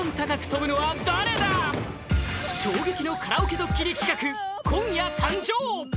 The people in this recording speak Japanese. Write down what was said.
衝撃のカラオケドッキリ企画今夜誕生！